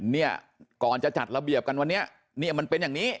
เนี่ยก่อนจะจัดระเบียบกันวันนี้เนี่ยมันเป็นอย่างนี้